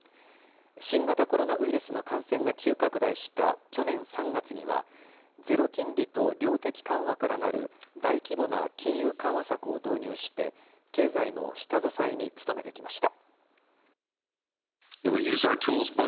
新型コロナウイルスの感染が急拡大した去年３月には、ゼロ金利と量的緩和からなる大規模な金融緩和策を導入して、経済の下支えに努めてきました。